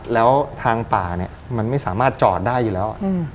แล้วทางป่าเนี่ยมันไม่สามารถจอดได้อยู่แล้ว